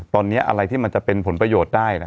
ตอนนี้อะไรที่มันจะเป็นผลประโยชน์ได้